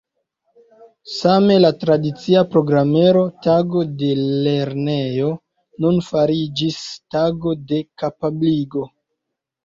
Same la tradicia programero Tago de lernejo nun fariĝis Tago de kapabligo.